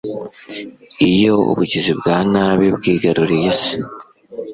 iyo ubugizi bwa nabi bwigaruriye isi